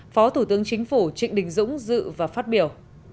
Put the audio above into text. phó thủ tướng chính phủ trịnh đình dũng dự và phát biểu